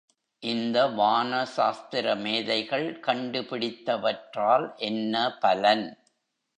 இந்த வான சாஸ்திர மேதைகள் கண்டு பிடித்தவற்றால் என்ன பலன்?